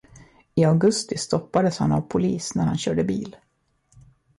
I augusti stoppades han av polis när han körde bil.